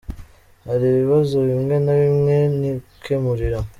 Hari ibibazo bimwe na bimwe nikemurira.